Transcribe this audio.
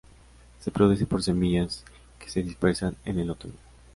Se reproduce por semillas, que se dispersan en el otoño.